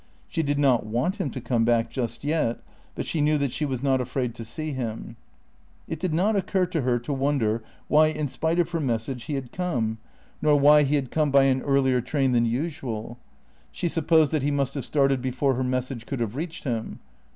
She did not want him to come back just yet, but she knew that she was not afraid to see him. It did not occur to her to wonder why in spite of her message he had come, nor why he had come by an earlier train than usual; she supposed that he must have started before her message could have reached him.